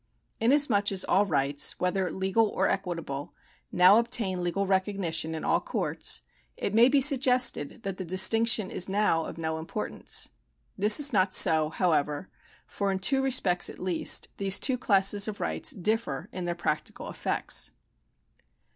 Inasmuch as all rights, whether legal or equitable, now obtain legal recognition in all courts, it may be suggested that the distinction is now of no importance. This is not so however, for in two respects at least, these two classes of rights differ in their practical effects.